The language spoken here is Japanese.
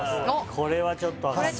これはちょっとわかんない